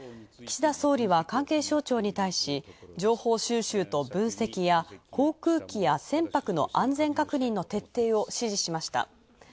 岸田総理は関係省庁にたいし情報収集と分析や航空機や船舶の安全確認の徹底を指示しました。